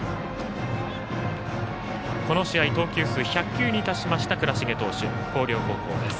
この試合、投球数１００球に達しました、倉重投手広陵高校です。